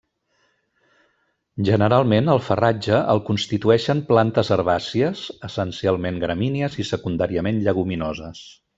Generalment el farratge el constitueixen plantes herbàcies, essencialment gramínies i secundàriament lleguminoses.